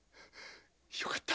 よかった！